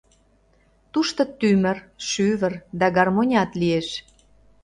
Тушто тӱмыр, шӱвыр да гармонят лиеш.